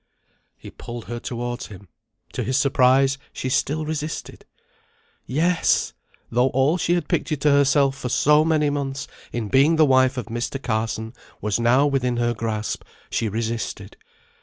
He pulled her towards him. To his surprise, she still resisted. Yes! though all she had pictured to herself for so many months in being the wife of Mr. Carson was now within her grasp, she resisted.